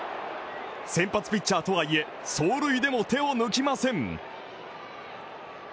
先発ピッチャーとはいえ走塁でも手を抜きません。